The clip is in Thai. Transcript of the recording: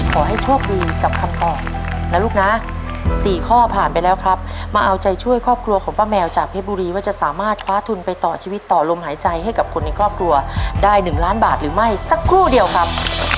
ขอให้โชคดีกับคำตอบนะลูกนะ๔ข้อผ่านไปแล้วครับมาเอาใจช่วยครอบครัวของป้าแมวจากเพชรบุรีว่าจะสามารถคว้าทุนไปต่อชีวิตต่อลมหายใจให้กับคนในครอบครัวได้๑ล้านบาทหรือไม่สักครู่เดียวครับ